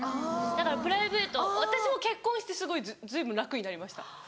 だからプライベート私も結婚してすごい随分楽になりました。